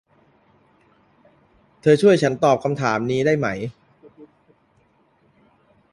เธอช่วยฉันตอบคำถามนี้ได้ไหม